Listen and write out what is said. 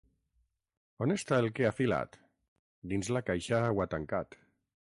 On està el que ha filat? Dins la caixa ho ha tancat.